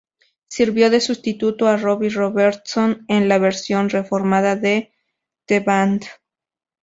Sirvió de sustituto a Robbie Robertson en la versión reformada de The Band.